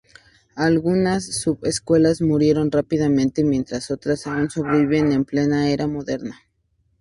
Algunas sub-escuelas murieron rápidamente, mientras que otras aún sobreviven en plena era moderna.